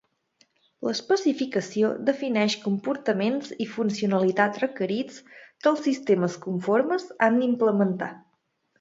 L'especificació defineix comportaments i funcionalitat requerits que els sistemes conformes han d'implementar.